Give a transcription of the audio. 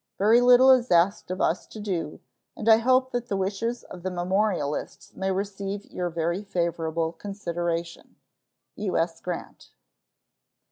Very little is asked of us to do, and I hope that the wishes of the memorialists may receive your very favorable consideration. U.S. GRANT.